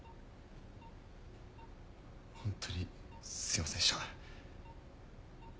ホントにすいませんでした。